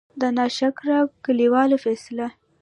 د نا شکره کلي والو قيصه :